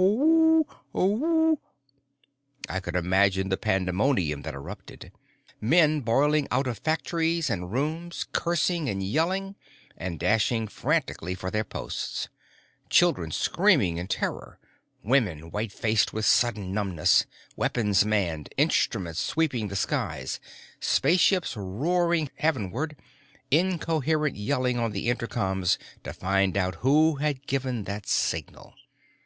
Hoo oo!_ I could imagine the pandemonium that erupted, men boiling out of factories and rooms, cursing and yelling and dashing frantically for their posts children screaming in terror, women white faced with sudden numbness weapons manned, instruments sweeping the skies, spaceships roaring heavenward, incoherent yelling on the intercoms to find out who had given that signal.